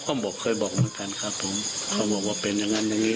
ก็บอกเคยบอกเหมือนกันครับผมเขาบอกว่าเป็นอย่างนั้นอย่างนี้